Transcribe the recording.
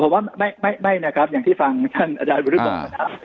ผมว่าไม่นะครับอย่างที่ฟังท่านอาจารย์บุรุษบอกนะครับ